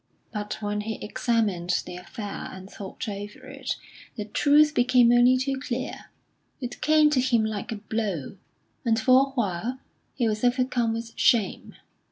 But when he examined the affair and thought over it, the truth became only too clear; it came to him like a blow, and for a while he was overcome with shame.